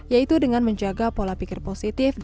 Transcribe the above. yaitu dengan menjaga pola pikir positif